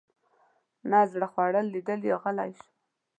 نه زړه خوړل یې ولیدل غلی شو.